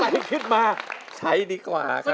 ชิคกี้พายคิดมาใช้ดีกว่าค่ะ